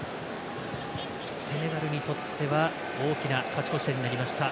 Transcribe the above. セネガルにとっては大きな勝ち越し点になりました。